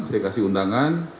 saya kasih undangan